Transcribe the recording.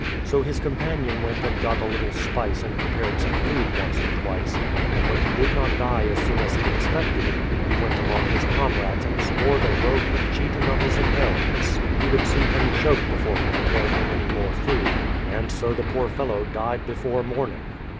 So his companion went and got a little spice and prepared some food once or twice; and when he did not die as soon as he expected, he went among his comrades and swore the rogue would cheat him of his inheritance; THE PLYI^IOUTH SETTLEMENT 79 he would see him choke before he prepared him any more food; and so the poor fellow died before morning!